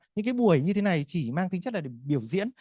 những cái buổi như thế này chỉ mang tính chất là để biểu diễn